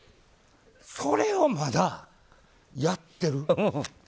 それをまだやってる。